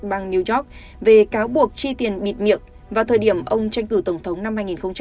bang new york về cáo buộc chi tiền bịt miệng vào thời điểm ông tranh cử tổng thống năm hai nghìn một mươi sáu